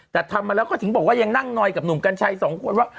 แต่ทำมาแล้วก็ถึงบอกว่ายังนั่งนอยกับหนุ่มกัญชัยสองคนว่า